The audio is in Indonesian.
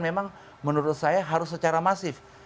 memang menurut saya harus secara masif